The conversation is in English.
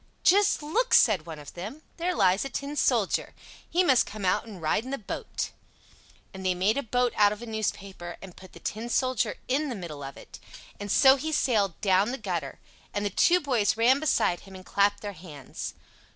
"Just look!" said one of them, "there lies a tin soldier. He must come out and ride in the boat." And they made a boat out of a newspaper, and put the Tin Soldier in the middle of it; and so he sailed down the gutter, and the two boys ran beside him and clapped their hands.